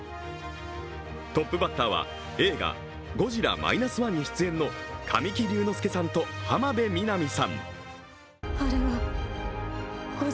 トップバッターは映画「ゴジラ−１．０」に出演の神木隆之介さんと浜辺美波さん。